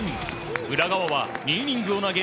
宇田川は２イニングを投げ